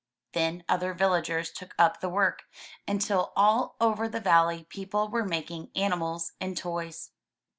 Then other villagers took up the work, until all over the valley people were making animals and toys.